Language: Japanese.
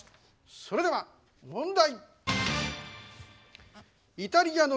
それでは問題！